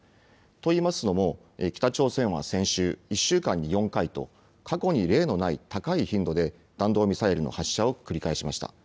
といいますのも北朝鮮は先週、１週間に４回と過去に例のない高い頻度で弾道ミサイルの発射を繰り返しました。